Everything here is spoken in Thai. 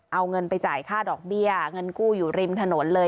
เอาเงินไปจ่ายค่าดอกเบี้ยเงินกู้อยู่ริมถนนเลย